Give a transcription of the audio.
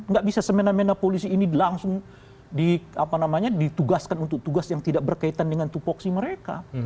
nggak bisa semena mena polisi ini langsung ditugaskan untuk tugas yang tidak berkaitan dengan tupoksi mereka